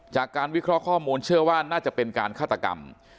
จากการวิเคราะห์ข้อมูลเชื่อว่าน่าจะเป็นการฆาตกรรม